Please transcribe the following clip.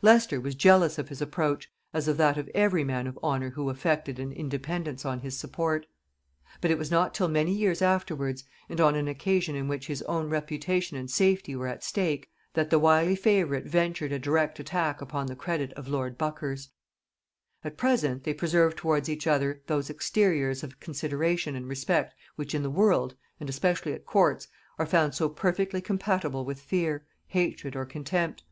Leicester was jealous of his approach, as of that of every man of honor who affected an independence on his support; but it was not till many years afterwards, and on an occasion in which his own reputation and safety were at stake, that the wily favorite ventured a direct attack upon the credit of lord Buckhurst. At present they preserved towards each other those exteriors of consideration and respect which in the world, and especially at courts, are found so perfectly compatible with fear, hatred, or contempt.